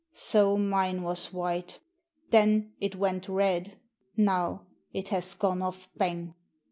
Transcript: " So mine was white. Then it went red. Now it has gone off bang!